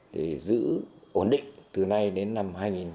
thì giữ ổn định từ nay đến năm hai nghìn hai mươi